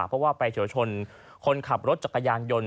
เพราะว่าไปเฉียวชนคนขับรถจักรยานยนต์